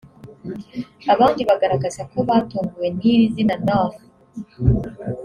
Abandi bagaragaza ko batunguwe n’iri zina North